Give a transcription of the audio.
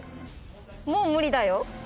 もう無理だよ。